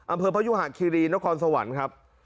อำเภอพระยุหะคีรีนครสวรรค์ครับ